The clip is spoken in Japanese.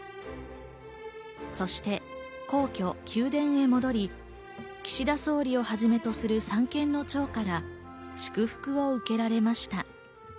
そして、皇居宮殿へ戻り、岸田総理をはじめとする三権の長から祝福を受けられました。